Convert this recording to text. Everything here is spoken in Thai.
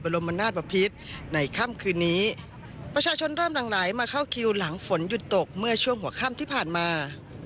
รมนาศบพิษในค่ำคืนนี้ประชาชนเริ่มหลังไหลมาเข้าคิวหลังฝนหยุดตกเมื่อช่วงหัวค่ำที่ผ่านมา